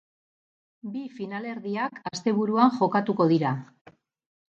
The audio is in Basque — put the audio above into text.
Bi finalerdiak asteburuan jokatuko dira.